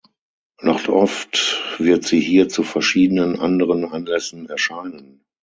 Noch oft wird sie hier zu verschiedenen anderen Anlässen erscheinen.